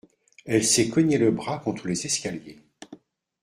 Elle s’est cognée le bras contre les escaliers.